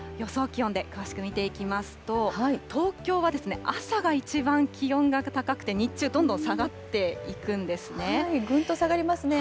気温で詳しく見ていきますと、東京は朝が一番気温が高くて、日中、どんどん下がっていくんですぐんと下がりますね。